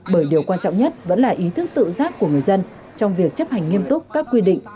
bởi điều quan trọng nhất vẫn là ý thức tự giác của người dân trong việc chấp hành nghiêm túc các quy định